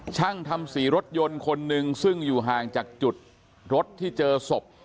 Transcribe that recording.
ช่างทำสีรถยนต์คนหนึ่งซึ่งอยู่ห่างจากจุดรถที่เจอศพ